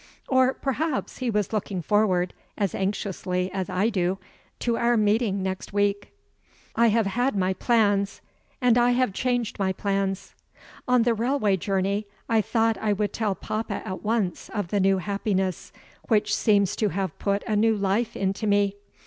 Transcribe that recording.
Or perhaps he was looking forward, as anxiously as I do, to our meeting next week. I have had my plans, and I have changed my plans. On the railway journey, I thought I would tell papa at once of the new happiness which seems to have put a new life into me.